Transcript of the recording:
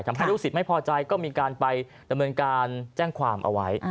ทำให้ลูกศิษย์ไม่พอใจก็มีการไปดำเนินการแจ้งความเอาไว้